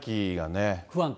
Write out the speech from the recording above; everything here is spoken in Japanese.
不安定。